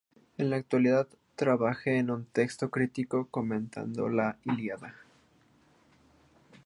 En la actualidad trabaja en un texto crítico comentado de la "Ilíada".